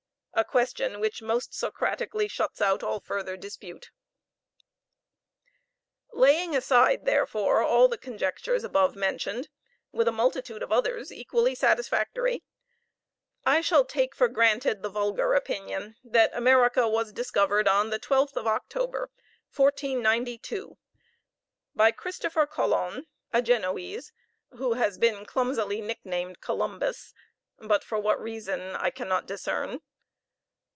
a question which most Socratically shuts out all further dispute. Laying aside, therefore, all the conjectures above mentioned, with a multitude of others equally satisfactory, I shall take for granted the vulgar opinion that America was discovered on the 12th of October, 1492, by Christopher Colon, a Genoese, who has been clumsily nicknamed Columbus, but for what reason I cannot discern.